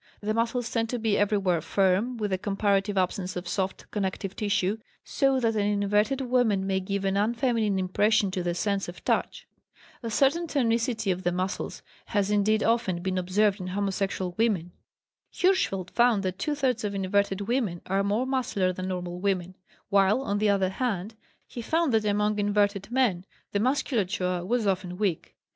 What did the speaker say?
The muscles tend to be everywhere firm, with a comparative absence of soft connective tissue; so that an inverted woman may give an unfeminine impression to the sense of touch. A certain tonicity of the muscles has indeed often been observed in homosexual women. Hirschfeld found that two thirds of inverted women are more muscular than normal women, while, on the other hand, he found that among inverted men the musculature was often weak.